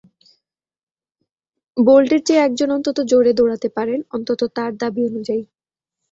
বোল্টের চেয়ে একজন অন্তত জোরে দৌড়াতে পারেন, অন্তত তাঁর দাবি অনুযায়ী।